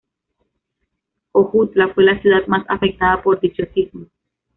Jojutla fue la ciudad más afectada por dicho sismo.